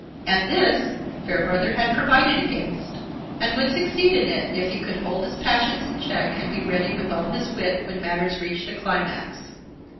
And this, Fairbrother had provided against, and would succeed in if he could hold his passions in check and be ready with all his wit when matters reached a climax.